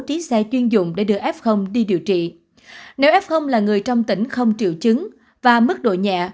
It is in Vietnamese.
ký xe chuyên dụng để đưa f đi điều trị nếu f là người trong tỉnh không triệu chứng và mức độ nhẹ